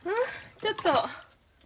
ちょっと。